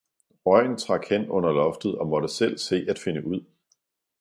røgen trak hen under loftet og måtte selv se at finde ud.